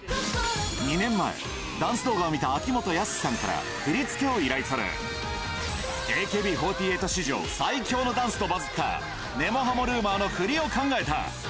２年前、ダンス動画を見た秋元康さんから振り付けを依頼され、ＡＫＢ４８史上、最強のダンスとバズった根も葉もＲｕｍｏｒの振りを考えた。